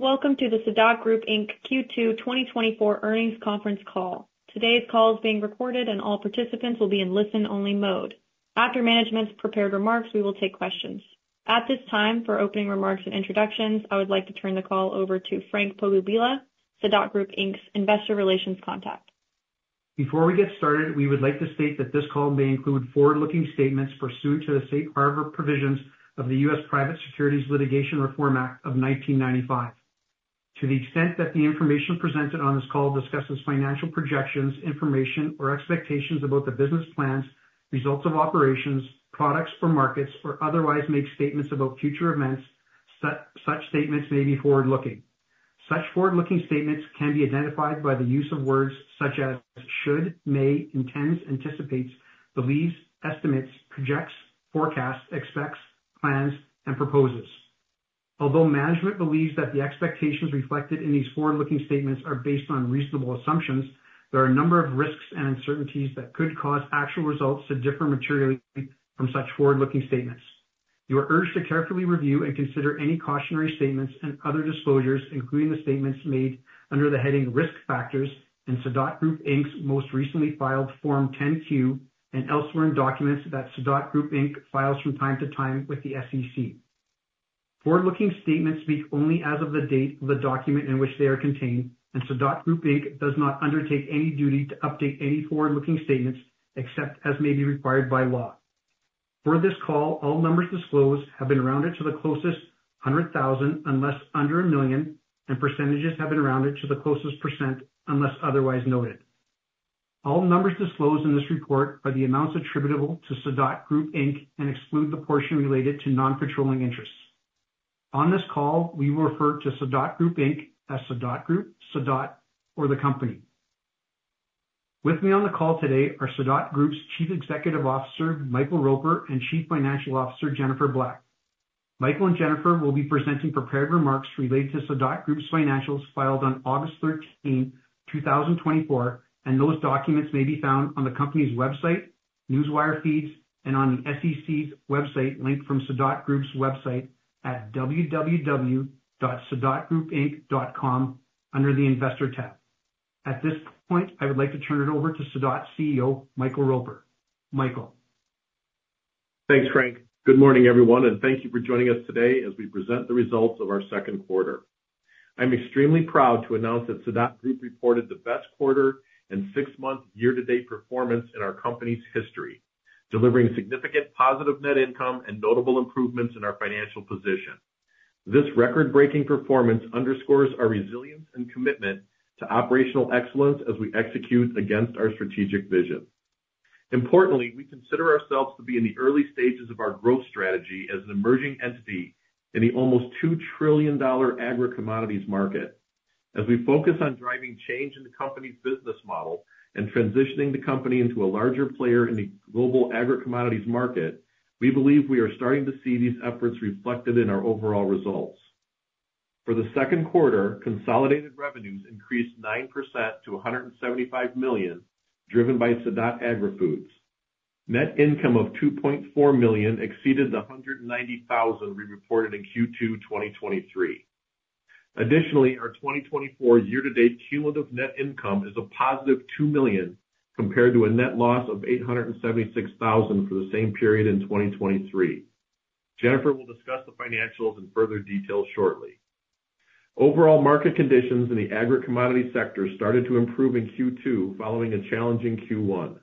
Welcome to the Sadot Group Inc. Q2 2024 Earnings Conference Call. Today's call is being recorded, and all participants will be in listen-only mode. After management's prepared remarks, we will take questions. At this time, for opening remarks and introductions, I would like to turn the call over to Frank Pogubila, Sadot Group Inc.'s investor relations contact. Before we get started, we would like to state that this call may include forward-looking statements pursuant to the Safe Harbor Provisions of the US Private Securities Litigation Reform Act of 1995. To the extent that the information presented on this call discusses financial projections, information, or expectations about the business plans, results of operations, products or markets, or otherwise make statements about future events, such statements may be forward-looking. Such forward-looking statements can be identified by the use of words such as should, may, intends, anticipates, believes, estimates, projects, forecasts, expects, plans, and proposes. Although management believes that the expectations reflected in these forward-looking statements are based on reasonable assumptions, there are a number of risks and uncertainties that could cause actual results to differ materially from such forward-looking statements. You are urged to carefully review and consider any cautionary statements and other disclosures, including the statements made under the heading Risk Factors in Sadot Group Inc.'s most recently filed Form 10-Q, and elsewhere in documents that Sadot Group Inc. files from time to time with the SEC. Forward-looking statements speak only as of the date of the document in which they are contained, and Sadot Group Inc. does not undertake any duty to update any forward-looking statements, except as may be required by law. For this call, all numbers disclosed have been rounded to the closest hundred thousand, unless under a million, and percentages have been rounded to the closest percent, unless otherwise noted. All numbers disclosed in this report are the amounts attributable to Sadot Group Inc., and exclude the portion related to non-controlling interests. On this call, we will refer to Sadot Group Inc. as Sadot Group, Sadot, or the company. With me on the call today are Sadot Group's Chief Executive Officer, Michael Roper, and Chief Financial Officer, Jennifer Black. Michael and Jennifer will be presenting prepared remarks related to Sadot Group's financials filed on August thirteenth, 2024, and those documents may be found on the company's website, Newswire feeds, and on the SEC's website, linked from Sadot Group's website at www.sadotgroupinc.com under the Investor tab. At this point, I would like to turn it over to Sadot's CEO, Michael Roper. Michael? Thanks, Frank. Good morning, everyone, and thank you for joining us today as we present the results of our second quarter. I'm extremely proud to announce that Sadot Group reported the best quarter and six-month year-to-date performance in our company's history, delivering significant positive net income and notable improvements in our financial position. This record-breaking performance underscores our resilience and commitment to operational excellence as we execute against our strategic vision. Importantly, we consider ourselves to be in the early stages of our growth strategy as an emerging entity in the almost $2 trillion agri-commodities market. As we focus on driving change in the company's business model and transitioning the company into a larger player in the global agri-commodities market, we believe we are starting to see these efforts reflected in our overall results. For the second quarter, consolidated revenues increased 9% to $175 million, driven by Sadot Agri-Foods. Net income of $2.4 million exceeded the $190,000 we reported in Q2 2023. Additionally, our 2024 year-to-date cumulative net income is a positive $2 million, compared to a net loss of $876,000 for the same period in 2023. Jennifer will discuss the financials in further detail shortly. Overall market conditions in the agri-commodity sector started to improve in Q2, following a challenging Q1.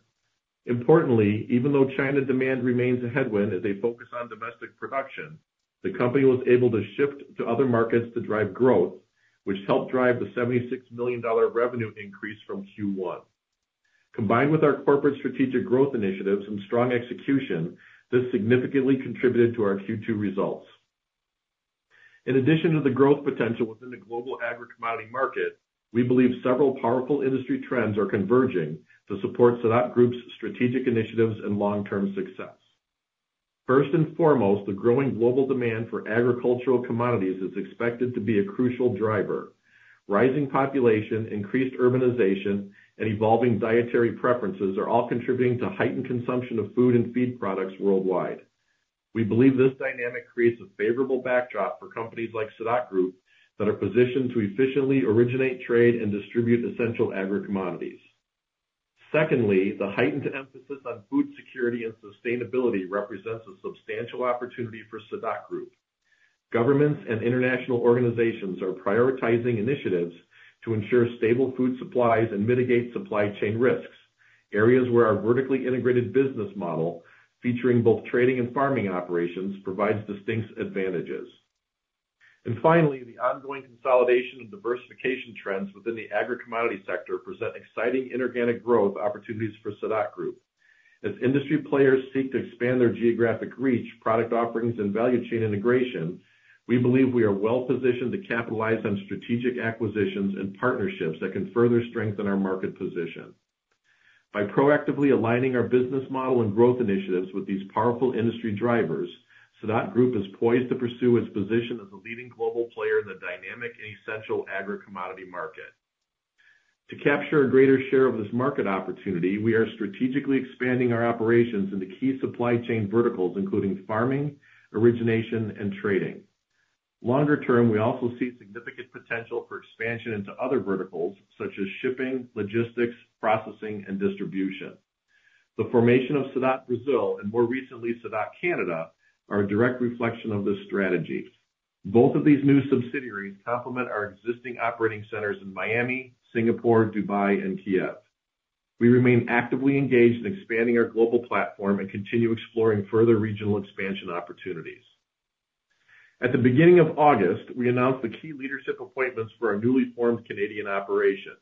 Importantly, even though China demand remains a headwind as they focus on domestic production, the company was able to shift to other markets to drive growth, which helped drive the $76 million revenue increase from Q1. Combined with our corporate strategic growth initiatives and strong execution, this significantly contributed to our Q2 results. In addition to the growth potential within the global agri-commodity market, we believe several powerful industry trends are converging to support Sadot Group's strategic initiatives and long-term success. First and foremost, the growing global demand for agricultural commodities is expected to be a crucial driver. Rising population, increased urbanization, and evolving dietary preferences are all contributing to heightened consumption of food and feed products worldwide. We believe this dynamic creates a favorable backdrop for companies like Sadot Group that are positioned to efficiently originate, trade, and distribute essential agri-commodities. Secondly, the heightened emphasis on food security and sustainability represents a substantial opportunity for Sadot Group. Governments and international organizations are prioritizing initiatives to ensure stable food supplies and mitigate supply chain risks, areas where our vertically integrated business model, featuring both trading and farming operations, provides distinct advantages. And finally, the ongoing consolidation and diversification trends within the agri-commodity sector present exciting inorganic growth opportunities for Sadot Group. As industry players seek to expand their geographic reach, product offerings, and value chain integration, we believe we are well positioned to capitalize on strategic acquisitions and partnerships that can further strengthen our market position. By proactively aligning our business model and growth initiatives with these powerful industry drivers, Sadot Group is poised to pursue its position as a leading global player in the dynamic and essential agri-commodity market... To capture a greater share of this market opportunity, we are strategically expanding our operations into key supply chain verticals, including farming, origination, and trading. Longer term, we also see significant potential for expansion into other verticals such as shipping, logistics, processing, and distribution. The formation of Sadot Brasil, and more recently, Sadot Canada, are a direct reflection of this strategy. Both of these new subsidiaries complement our existing operating centers in Miami, Singapore, Dubai, and Kyiv. We remain actively engaged in expanding our global platform and continue exploring further regional expansion opportunities. At the beginning of August, we announced the key leadership appointments for our newly formed Canadian operation.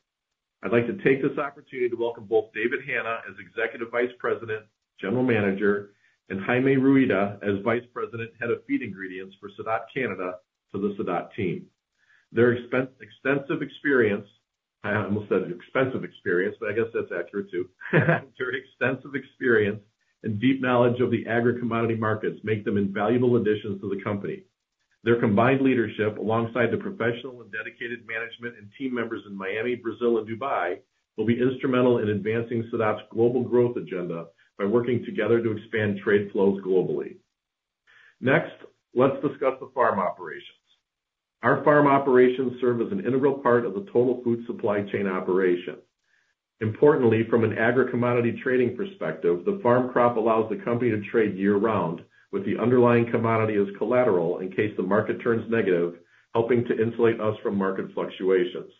I'd like to take this opportunity to welcome both David Hanna as Executive Vice President, General Manager, and Jaime Rueda as Vice President, Head of Feed Ingredients for Sadot Canada to the Sadot team. Their extensive experience. I almost said expensive experience, but I guess that's accurate too. Their extensive experience and deep knowledge of the agri-commodity markets make them invaluable additions to the company. Their combined leadership, alongside the professional and dedicated management and team members in Miami, Brazil, and Dubai, will be instrumental in advancing Sadot's global growth agenda by working together to expand trade flows globally. Next, let's discuss the farm operations. Our farm operations serve as an integral part of the total food supply chain operation. Importantly, from an agri-commodity trading perspective, the farm crop allows the company to trade year-round, with the underlying commodity as collateral in case the market turns negative, helping to insulate us from market fluctuations.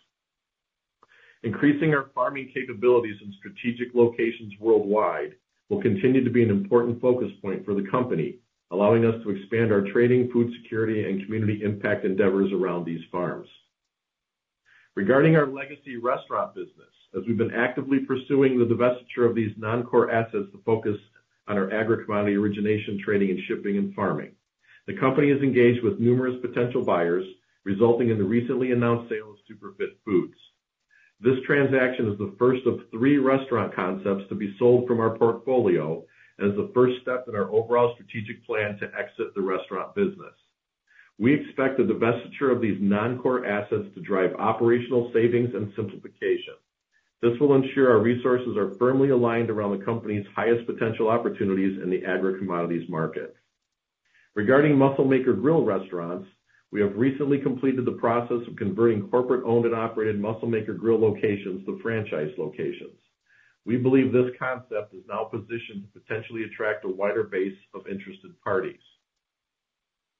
Increasing our farming capabilities in strategic locations worldwide will continue to be an important focus point for the company, allowing us to expand our trading, food security, and community impact endeavors around these farms. Regarding our legacy restaurant business, as we've been actively pursuing the divestiture of these non-core assets to focus on our agri-commodity origination, trading, and shipping, and farming. The company is engaged with numerous potential buyers, resulting in the recently announced sale of Superfit Foods. This transaction is the first of three restaurant concepts to be sold from our portfolio as the first step in our overall strategic plan to exit the restaurant business. We expect the divestiture of these non-core assets to drive operational savings and simplification. This will ensure our resources are firmly aligned around the company's highest potential opportunities in the agri-commodities market. Regarding Muscle Maker Grill restaurants, we have recently completed the process of converting corporate-owned and operated Muscle Maker Grill locations to franchise locations. We believe this concept is now positioned to potentially attract a wider base of interested parties.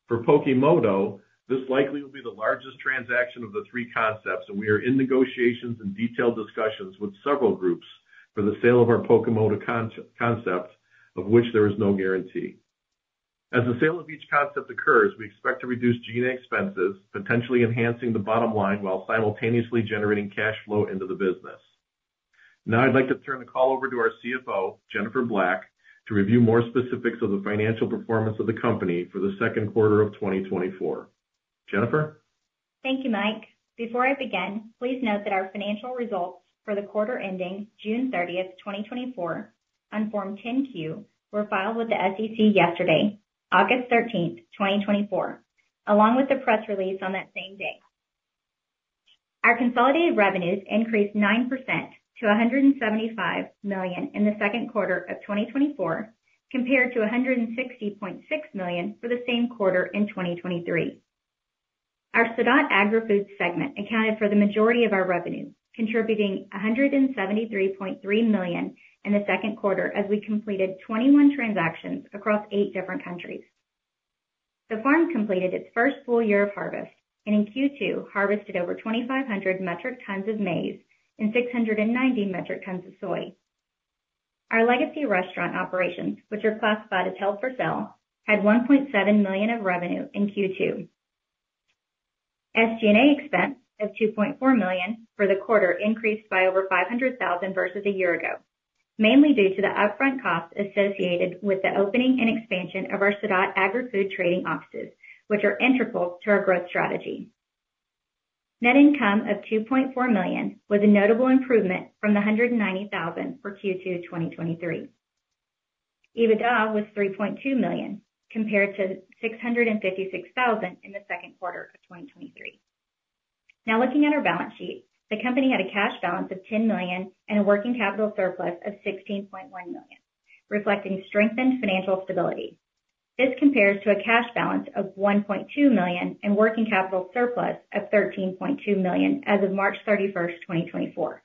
For Pokémoto, this likely will be the largest transaction of the three concepts, and we are in negotiations and detailed discussions with several groups for the sale of our Pokémoto concept, of which there is no guarantee. As the sale of each concept occurs, we expect to reduce G&A expenses, potentially enhancing the bottom line while simultaneously generating cash flow into the business. Now I'd like to turn the call over to our CFO, Jennifer Black, to review more specifics of the financial performance of the company for the second quarter of 2024. Jennifer? Thank you, Mike. Before I begin, please note that our financial results for the quarter ending June 30, 2024, on Form 10-Q, were filed with the SEC yesterday, August 13, 2024, along with the press release on that same day. Our consolidated revenues increased 9% to $175 million in the second quarter of 2024, compared to $160.6 million for the same quarter in 2023. Our Sadot Agri-Foods segment accounted for the majority of our revenues, contributing $173.3 million in the second quarter, as we completed 21 transactions across 8 different countries. The farm completed its first full year of harvest, and in Q2, harvested over 2,500 metric tons of maize and 690 metric tons of soy. Our legacy restaurant operations, which are classified as held-for-sale, had $1.7 million of revenue in Q2. SG&A expense of $2.4 million for the quarter increased by over $500,000 versus a year ago, mainly due to the upfront costs associated with the opening and expansion of our Sadot Agri-Foods trading offices, which are integral to our growth strategy. Net income of $2.4 million was a notable improvement from the $190,000 for Q2 2023. EBITDA was $3.2 million, compared to $656,000 in the second quarter of 2023. Now, looking at our balance sheet, the company had a cash balance of $10 million and a working capital surplus of $16.1 million, reflecting strengthened financial stability. This compares to a cash balance of $1.2 million and working capital surplus of $13.2 million as of March 31, 2024.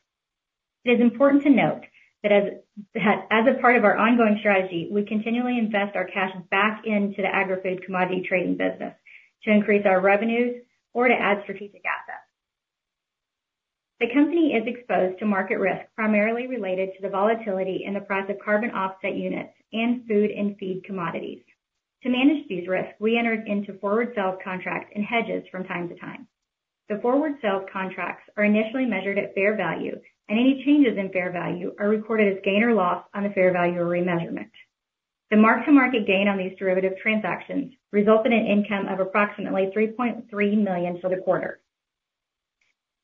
It is important to note that as a part of our ongoing strategy, we continually invest our cash back into the agri-food commodity trading business to increase our revenues or to add strategic assets. The company is exposed to market risk, primarily related to the volatility in the price of carbon offset units and food and feed commodities. To manage these risks, we entered into forward sales contracts and hedges from time to time. The forward sales contracts are initially measured at fair value, and any changes in fair value are recorded as gain or loss on the fair value of remeasurement. The mark-to-market gain on these derivative transactions resulted in income of approximately $3.3 million for the quarter.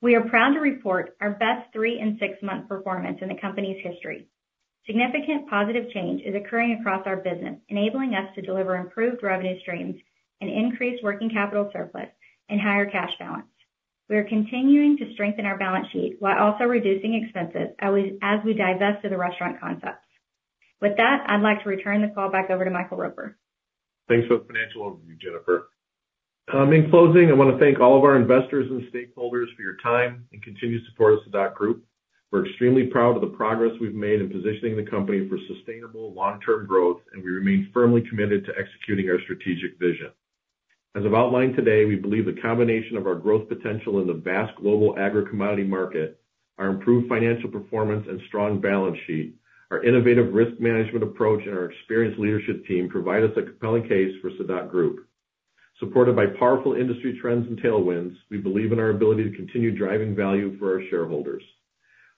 We are proud to report our best three and six-month performance in the company's history. Significant positive change is occurring across our business, enabling us to deliver improved revenue streams and increased working capital surplus and higher cash balance. We are continuing to strengthen our balance sheet while also reducing expenses, as we divest to the restaurant concepts. With that, I'd like to return the call back over to Michael Roper. Thanks for the financial overview, Jennifer. In closing, I wanna thank all of our investors and stakeholders for your time and continued support of Sadot Group. We're extremely proud of the progress we've made in positioning the company for sustainable long-term growth, and we remain firmly committed to executing our strategic vision. As I've outlined today, we believe the combination of our growth potential in the vast global agri-commodity market, our improved financial performance and strong balance sheet, our innovative risk management approach, and our experienced leadership team provide us a compelling case for Sadot Group. Supported by powerful industry trends and tailwinds, we believe in our ability to continue driving value for our shareholders.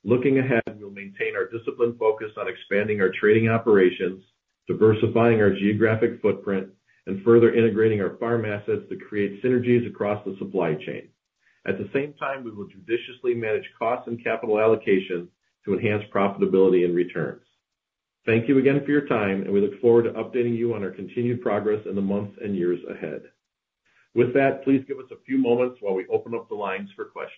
Looking ahead, we'll maintain our disciplined focus on expanding our trading operations, diversifying our geographic footprint, and further integrating our farm assets to create synergies across the supply chain. At the same time, we will judiciously manage costs and capital allocation to enhance profitability and returns. Thank you again for your time, and we look forward to updating you on our continued progress in the months and years ahead. With that, please give us a few moments while we open up the lines for questions.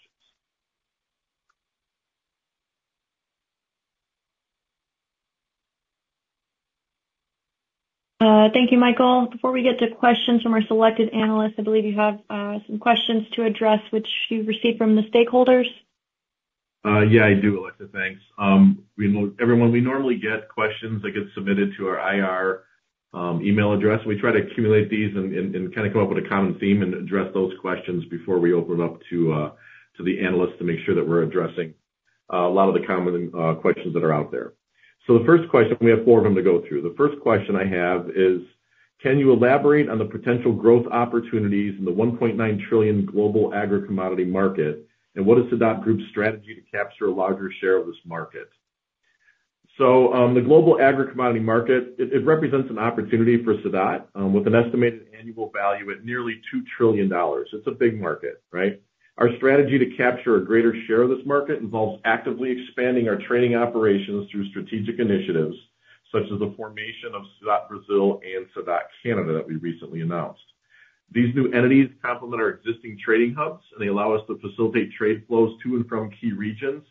Thank you, Michael. Before we get to questions from our selected analysts, I believe you have some questions to address, which you received from the stakeholders. Yeah, I do, Alexa. Thanks. We know, everyone, we normally get questions that get submitted to our IR email address. We try to accumulate these and kind of come up with a common theme and address those questions before we open it up to the analysts to make sure that we're addressing a lot of the common questions that are out there. So the first question, we have four of them to go through. The first question I have is: Can you elaborate on the potential growth opportunities in the $1.9 trillion global agri-commodity market, and what is Sadot Group's strategy to capture a larger share of this market? So, the global agri-commodity market, it represents an opportunity for Sadot with an estimated annual value at nearly $2 trillion. It's a big market, right? Our strategy to capture a greater share of this market involves actively expanding our trading operations through strategic initiatives, such as the formation of Sadot Brasil and Sadot Canada that we recently announced. These new entities complement our existing trading hubs, and they allow us to facilitate trade flows to and from key regions,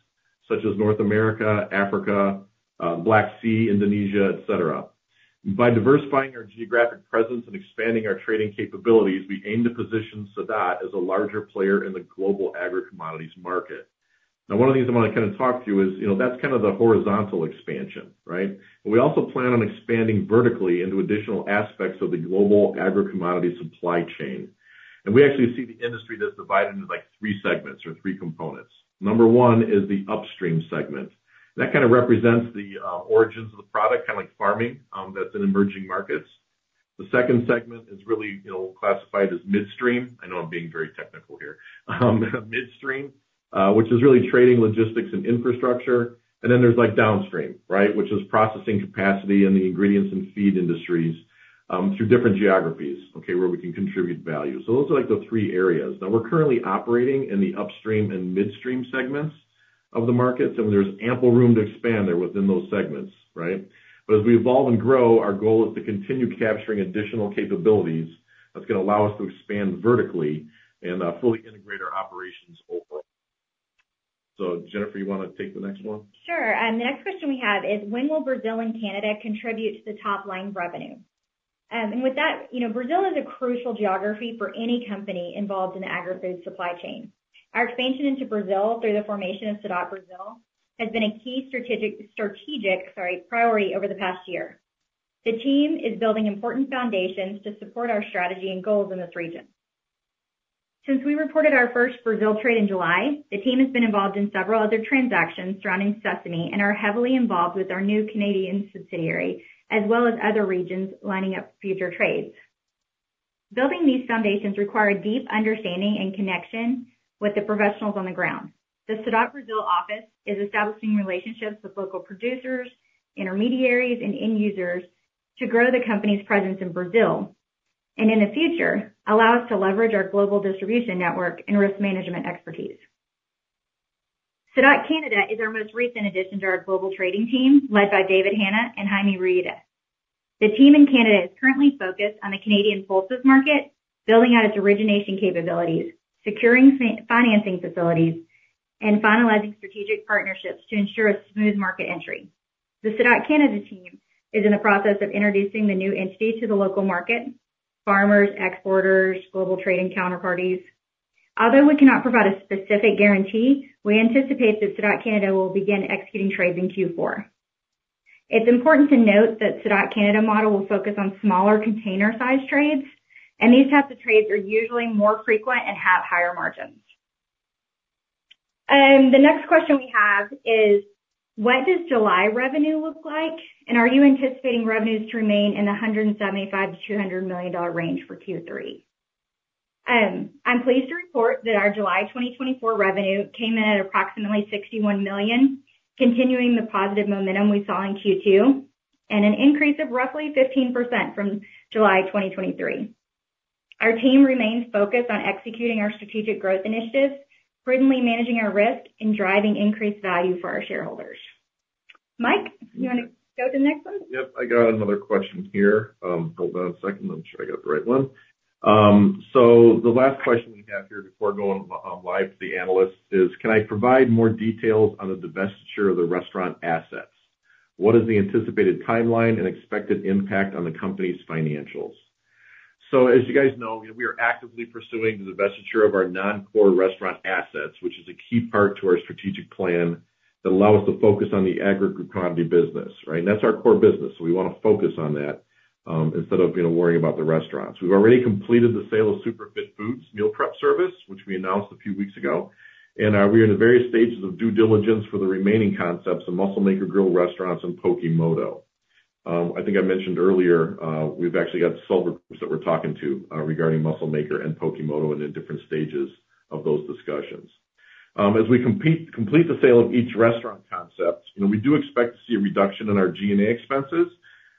such as North America, Africa, Black Sea, Indonesia, et cetera. By diversifying our geographic presence and expanding our trading capabilities, we aim to position Sadot as a larger player in the global agri-commodities market. Now, one of the things I wanna kind of talk to you is, you know, that's kind of the horizontal expansion, right? But we also plan on expanding vertically into additional aspects of the global agri-commodity supply chain. And we actually see the industry that's divided into, like, three segments or three components. Number one is the upstream segment. That kind of represents the origins of the product, kind of like farming, that's in emerging markets. The second segment is really, you know, classified as midstream. I know I'm being very technical here. Midstream, which is really trading, logistics, and infrastructure. And then there's, like, downstream, right? Which is processing capacity and the ingredients and feed industries, through different geographies, okay, where we can contribute value. So those are, like, the three areas. Now, we're currently operating in the upstream and midstream segments of the markets, and there's ample room to expand there within those segments, right? But as we evolve and grow, our goal is to continue capturing additional capabilities that's gonna allow us to expand vertically and fully integrate our operations overall. So Jennifer, you wanna take the next one? Sure. The next question we have is: When will Brazil and Canada contribute to the top line revenue? And with that, you know, Brazil is a crucial geography for any company involved in the agri-food supply chain. Our expansion into Brazil through the formation of Sadot Brasil has been a key strategic, strategic, sorry, priority over the past year. The team is building important foundations to support our strategy and goals in this region. Since we reported our first Brazil trade in July, the team has been involved in several other transactions surrounding sesame and are heavily involved with our new Canadian subsidiary, as well as other regions lining up future trades. Building these foundations require a deep understanding and connection with the professionals on the ground. The Sadot Brasil office is establishing relationships with local producers, intermediaries, and end users to grow the company's presence in Brazil, and in the future, allow us to leverage our global distribution network and risk management expertise. Sadot Canada is our most recent addition to our global trading team, led by David Hanna and Jaime Rueda. The team in Canada is currently focused on the Canadian pulses market, building out its origination capabilities, securing financing facilities, and finalizing strategic partnerships to ensure a smooth market entry. The Sadot Canada team is in the process of introducing the new entity to the local market, farmers, exporters, global trading counterparties. Although we cannot provide a specific guarantee, we anticipate that Sadot Canada will begin executing trades in Q4. It's important to note that Sadot Canada model will focus on smaller container size trades, and these types of trades are usually more frequent and have higher margins. The next question we have is: What does July revenue look like, and are you anticipating revenues to remain in the $175 million-$200 million range for Q3? I'm pleased to report that our July 2024 revenue came in at approximately $61 million, continuing the positive momentum we saw in Q2, and an increase of roughly 15% from July 2023. Our team remains focused on executing our strategic growth initiatives, prudently managing our risk, and driving increased value for our shareholders. Mike, you wanna go to the next one? Yep, I got another question here. Hold on a second. Let me make sure I got the right one. So the last question we have here before going live to the analyst is: Can I provide more details on the divestiture of the restaurant assets? What is the anticipated timeline and expected impact on the company's financials? So, as you guys know, we are actively pursuing the divestiture of our non-core restaurant assets, which is a key part to our strategic plan that allow us to focus on the agri commodity business, right? And that's our core business, so we wanna focus on that, instead of, you know, worrying about the restaurants. We've already completed the sale of Superfit Foods meal prep service, which we announced a few weeks ago, and we are in the various stages of due diligence for the remaining concepts, the Muscle Maker Grill restaurants and Pokémoto. I think I mentioned earlier, we've actually got several groups that we're talking to, regarding Muscle Maker and Pokémoto and in different stages of those discussions. As we complete the sale of each restaurant concept, you know, we do expect to see a reduction in our G&A expenses,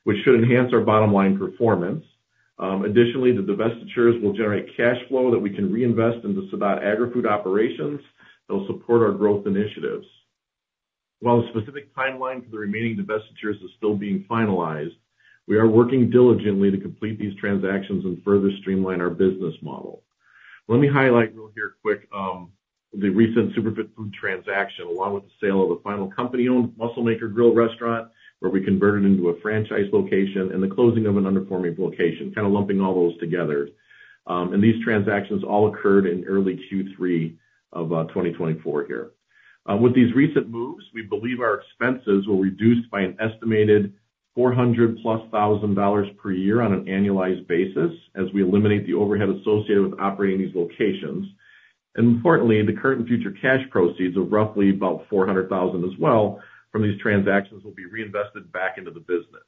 which should enhance our bottom line performance. Additionally, the divestitures will generate cash flow that we can reinvest in the Sadot Agri-Foods operations that will support our growth initiatives. While the specific timeline for the remaining divestitures is still being finalized, we are working diligently to complete these transactions and further streamline our business model. Let me highlight really quick, the recent Superfit Foods transaction, along with the sale of the final company-owned Muscle Maker Grill restaurant, where we converted into a franchise location and the closing of an underperforming location, kind of lumping all those together. And these transactions all occurred in early Q3 of 2024. With these recent moves, we believe our expenses were reduced by an estimated $400,000+ per year on an annualized basis, as we eliminate the overhead associated with operating these locations. Importantly, the current and future cash proceeds are roughly about $400,000 as well, from these transactions will be reinvested back into the business.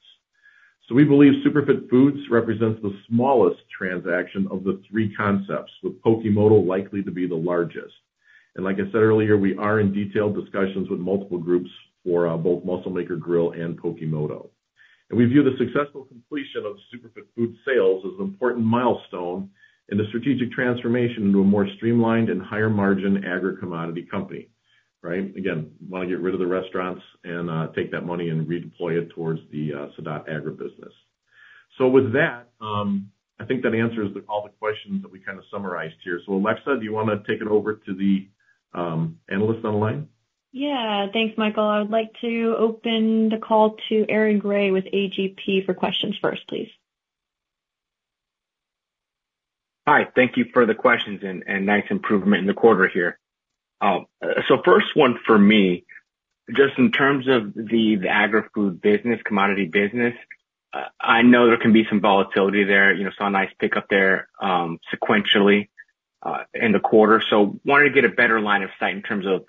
So we believe Superfit Foods represents the smallest transaction of the three concepts, with Pokémoto likely to be the largest. And like I said earlier, we are in detailed discussions with multiple groups for both Muscle Maker Grill and Pokémoto. And we view the successful completion of Superfit Foods sales as an important milestone in the strategic transformation into a more streamlined and higher margin agri commodity company, right? Again, wanna get rid of the restaurants and take that money and redeploy it towards the Sadot Agri-Foods business. So with that, I think that answers all the questions that we kind of summarized here. So, Alexa, do you wanna take it over to the analysts on the line? Yeah. Thanks, Michael. I would like to open the call to Aaron Grey with A.G.P. for questions first, please. Hi, thank you for the questions and nice improvement in the quarter here. So first one for me, just in terms of the AgriFood business, commodity business, I know there can be some volatility there, you know, saw a nice pickup there, sequentially, in the quarter. So wanted to get a better line of sight in terms of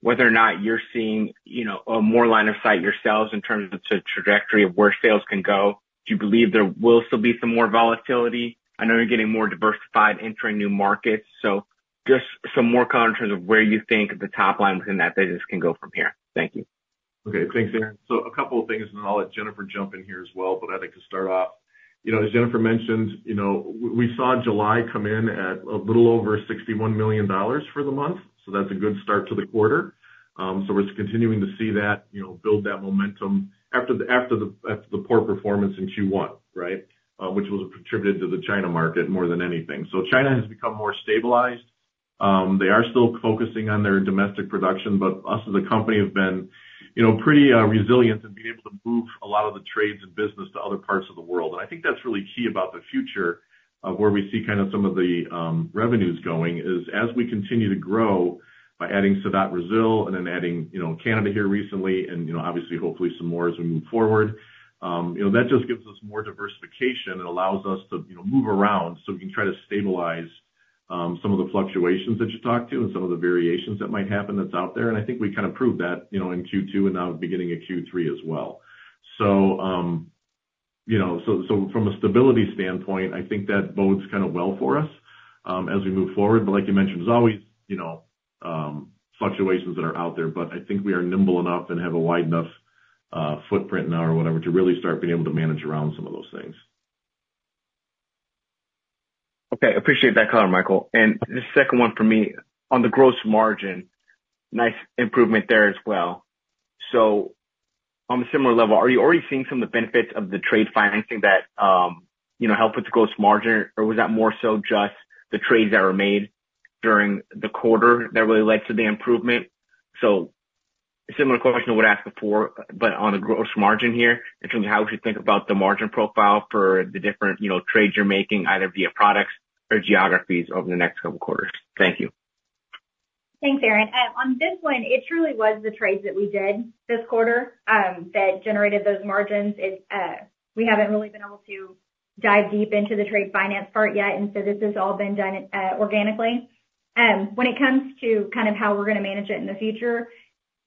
whether or not you're seeing, you know, a more line of sight yourselves in terms of the trajectory of where sales can go. Do you believe there will still be some more volatility? I know you're getting more diversified entering new markets, so just some more color in terms of where you think the top line within that business can go from here. Thank you. Okay, thanks, Aaron. So a couple of things, and then I'll let Jennifer jump in here as well. But I'd like to start off. You know, as Jennifer mentioned, you know, we saw July come in at a little over $61 million for the month, so that's a good start to the quarter. So we're continuing to see that, you know, build that momentum after the poor performance in Q1, right? Which was attributed to the China market more than anything. So China has become more stabilized. They are still focusing on their domestic production, but us, as a company, have been, you know, pretty resilient in being able to move a lot of the trades and business to other parts of the world. And I think that's really key about the future of where we see kind of some of the revenues going is, as we continue to grow by adding Sadot Brasil and then adding, you know, Canada here recently, and, you know, obviously, hopefully some more as we move forward, you know, that just gives us more diversification and allows us to, you know, move around. So we can try to stabilize some of the fluctuations that you talked to and some of the variations that might happen that's out there. And I think we kind of proved that, you know, in Q2 and now beginning of Q3 as well. So, you know, so, so from a stability standpoint, I think that bodes kind of well for us, as we move forward. But like you mentioned, there's always, you know, fluctuations that are out there, but I think we are nimble enough and have a wide enough footprint now or whatever, to really start being able to manage around some of those things. Okay, appreciate that color, Michael. And the second one for me, on the gross margin, nice improvement there as well. So on a similar level, are you already seeing some of the benefits of the trade financing that, you know, help with the gross margin? Or was that more so just the trades that were made during the quarter that really led to the improvement? So similar question I would ask before, but on the gross margin here, in terms of how we should think about the margin profile for the different, you know, trades you're making, either via products or geographies over the next couple quarters. Thank you. Thanks, Aaron. On this one, it truly was the trades that we did this quarter that generated those margins. It's we haven't really been able to dive deep into the trade finance part yet, and so this has all been done organically. When it comes to kind of how we're gonna manage it in the future,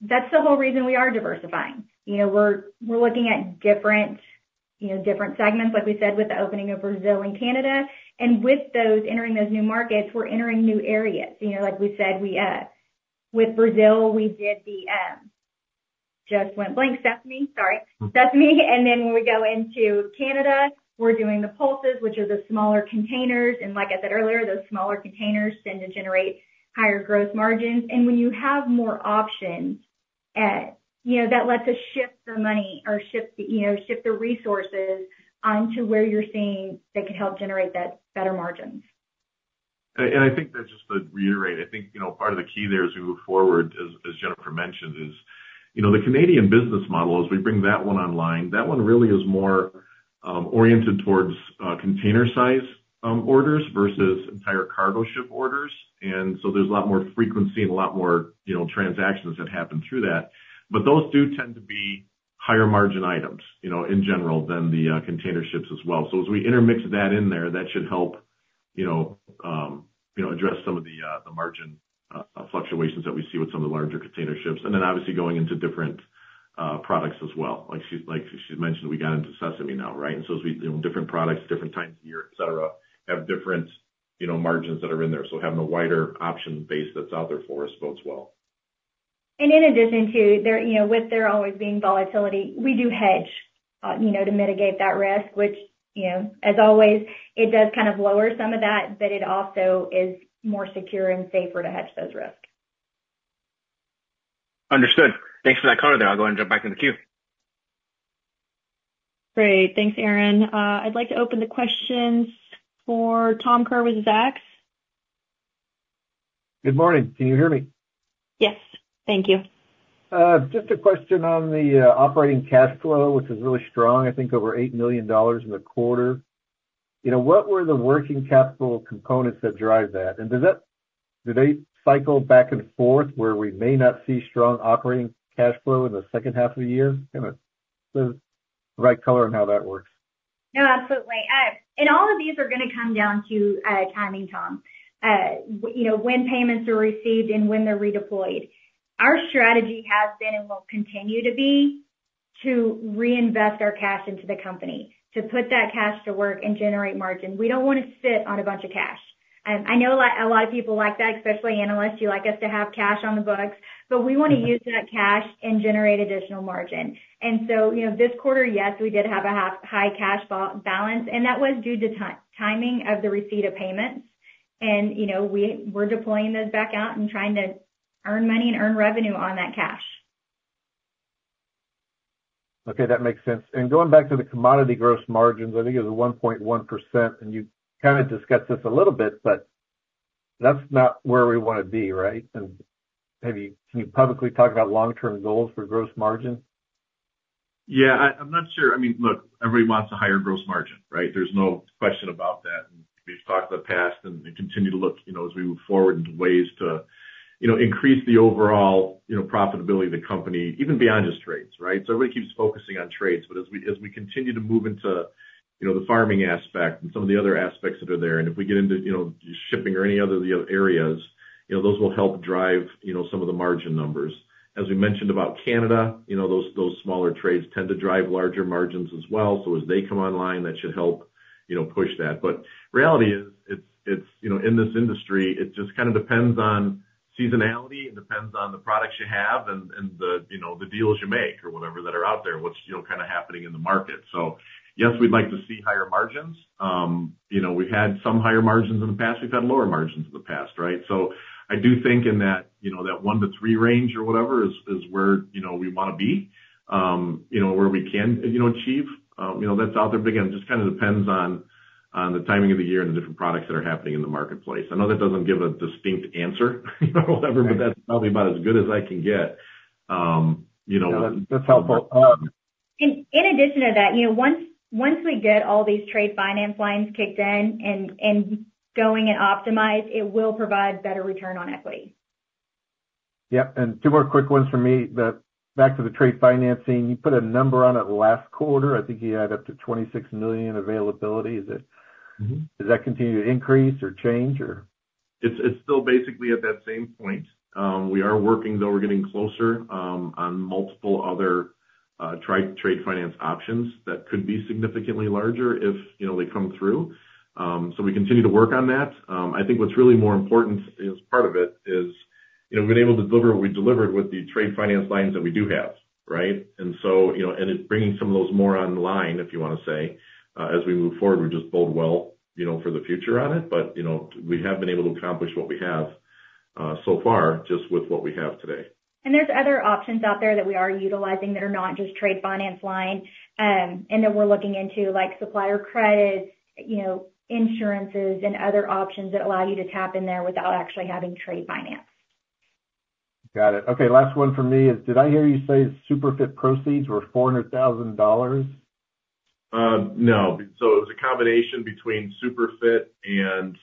that's the whole reason we are diversifying. You know, we're looking at different, you know, different segments, like we said, with the opening of Brazil and Canada. And with those, entering those new markets, we're entering new areas. You know, like we said, with Brazil, we did the sesame. And then when we go into Canada, we're doing the pulses, which are the smaller containers. And like I said earlier, those smaller containers tend to generate higher growth margins. When you have more options, you know, that lets us shift the money or shift the, you know, shift the resources onto where you're seeing they could help generate that better margins. I think that just to reiterate, I think, you know, part of the key there as we move forward, as Jennifer mentioned, is, you know, the Canadian business model, as we bring that one online, that one really is more oriented towards container size orders versus entire cargo ship orders. And so there's a lot more frequency and a lot more, you know, transactions that happen through that. But those do tend to be higher margin items, you know, in general, than the container ships as well. So as we intermix that in there, that should help, you know, you know, address some of the the margin fluctuations that we see with some of the larger container ships, and then obviously going into different products as well. Like she's mentioned, we got into sesame now, right? And so different products, different times of the year, et cetera, have different, you know, margins that are in there. So having a wider option base that's out there for us bodes well. And in addition to there, you know, with there always being volatility, we do hedge, you know, to mitigate that risk, which, you know, as always, it does kind of lower some of that, but it also is more secure and safer to hedge those risks. Understood. Thanks for that color there. I'll go and jump back in the queue. Great. Thanks, Aaron. I'd like to open the questions for Tom Kerr with Zacks. Good morning. Can you hear me? Yes. Thank you. Just a question on the operating cash flow, which is really strong, I think over $8 million in the quarter. You know, what were the working capital components that drive that? And do they cycle back and forth, where we may not see strong operating cash flow in the second half of the year? Give us the right color on how that works. Yeah, absolutely. All of these are going to come down to timing, Tom. You know, when payments are received and when they're redeployed. Our strategy has been, and will continue to be, to reinvest our cash into the company, to put that cash to work and generate margin. We don't want to sit on a bunch of cash. I know a lot, a lot of people like that, especially analysts. You like us to have cash on the books, but we want to use that cash and generate additional margin. So, you know, this quarter, yes, we did have a higher cash balance, and that was due to timing of the receipt of payments. You know, we're deploying those back out and trying to earn money and earn revenue on that cash. Okay, that makes sense. And going back to the commodity gross margins, I think it was 1.1%, and you kind of discussed this a little bit, but that's not where we want to be, right? And maybe can you publicly talk about long-term goals for gross margin? Yeah, I, I'm not sure. I mean, look, everybody wants a higher gross margin, right? There's no question about that. And we've talked in the past and, and continue to look, you know, as we move forward into ways to, you know, increase the overall, you know, profitability of the company, even beyond just trades, right? So everybody keeps focusing on trades, but as we, as we continue to move into, you know, the farming aspect and some of the other aspects that are there, and if we get into, you know, shipping or any other of the other areas, you know, those will help drive, you know, some of the margin numbers. As we mentioned about Canada, you know, those, those smaller trades tend to drive larger margins as well. So as they come online, that should help, you know, push that. But reality is, it's you know, in this industry, it just kind of depends on seasonality, it depends on the products you have and the you know, the deals you make or whatever that are out there, what's you know, kind of happening in the market. So yes, we'd like to see higher margins. You know, we've had some higher margins in the past. We've had lower margins in the past, right? So I do think in that you know, that 1-3 range or whatever is where you know, we want to be you know, where we can you know, achieve you know, that's out there. But again, it just kind of depends on the timing of the year and the different products that are happening in the marketplace. I know that doesn't give a distinct answer, you know, or whatever, but that's probably about as good as I can get, you know. No, that's helpful. In addition to that, you know, once we get all these trade finance lines kicked in and going and optimized, it will provide better return on equity. Yep, and two more quick ones for me. Back to the trade financing, you put a number on it last quarter. I think you had up to $26 million availability. Is it does that continue to increase or change or? It's, it's still basically at that same point. We are working, though, we're getting closer, on multiple other, trade finance options that could be significantly larger if, you know, they come through. So we continue to work on that. I think what's really more important is, part of it is, you know, being able to deliver what we delivered with the trade finance lines that we do have, right? And so, you know, and it's bringing some of those more online, if you want to say, as we move forward, we just bode well, you know, for the future on it. But, you know, we have been able to accomplish what we have, so far just with what we have today. There's other options out there that we are utilizing that are not just trade finance line, and that we're looking into, like supplier credits, you know, insurances and other options that allow you to tap in there without actually having trade finance. Got it. Okay, last one from me is, did I hear you say Superfit proceeds were $400,000? No. So it was a combination between Superfit and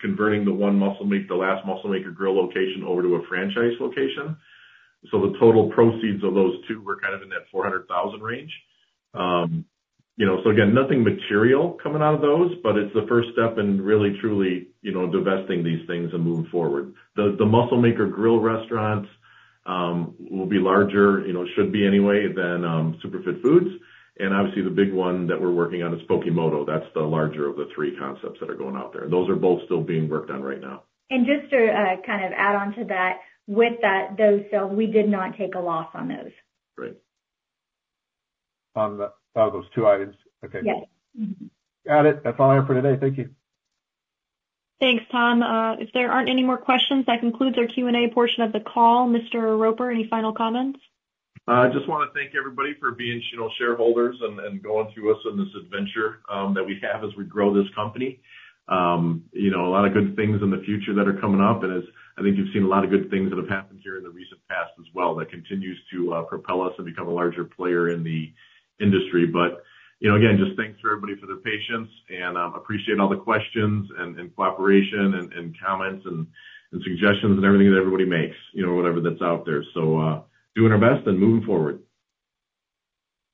converting the one Muscle Maker, the last Muscle Maker Grill location over to a franchise location. So the total proceeds of those two were kind of in that $400,000 range. You know, so again, nothing material coming out of those, but it's the first step in really, truly, you know, divesting these things and moving forward. The Muscle Maker Grill restaurants will be larger, you know, should be anyway, than Superfit Foods. And obviously, the big one that we're working on is Pokémoto. That's the larger of the three concepts that are going out there. Those are both still being worked on right now. Just to kind of add on to that, with that, those sales, we did not take a loss on those. Great. On those two items? Okay. Yes. Got it. That's all I have for today. Thank you. Thanks, Tom. If there aren't any more questions, that concludes our Q&A portion of the call. Mr. Roper, any final comments? I just want to thank everybody for being, you know, shareholders and, and going through this with us on this adventure, that we have as we grow this company. You know, a lot of good things in the future that are coming up, and as I think you've seen a lot of good things that have happened here in the recent past as well, that continues to, propel us and become a larger player in the industry. But, you know, again, just thanks for everybody for their patience and, appreciate all the questions and, and cooperation and, and comments and, and suggestions and everything that everybody makes, you know, whatever that's out there. So, doing our best and moving forward.